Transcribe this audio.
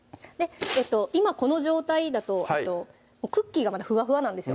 今この状態だとクッキーがまだふわふわなんですよ